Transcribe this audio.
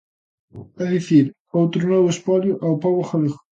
É dicir, outro novo espolio ao pobo galego.